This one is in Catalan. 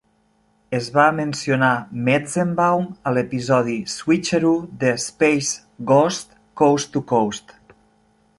Es va mencionar Metzenbaum a l'episodi "Switcheroo" de "Space Ghost Coast to Coast".